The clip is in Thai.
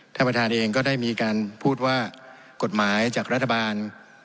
ท่านประธานเองก็ได้มีการพูดว่ากฎหมายจากรัฐบาล